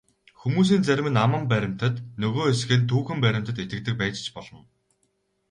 Хүмүүсийн зарим нь аман баримтад, нөгөө хэсэг нь түүхэн баримтад итгэдэг байж ч болно.